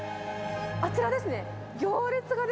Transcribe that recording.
あちらですね。